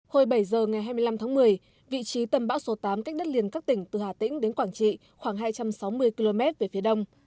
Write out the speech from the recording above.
hồi bảy giờ ngày hai mươi năm tháng một mươi vị trí tầm bão số tám cách đất liền các tỉnh từ hà tĩnh đến quảng trị khoảng hai trăm sáu mươi km về phía đông